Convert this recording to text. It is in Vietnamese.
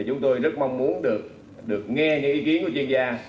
chúng tôi rất mong muốn được nghe những ý kiến của chuyên gia